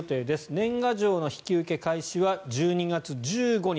年賀状の引受開始は１２月１５日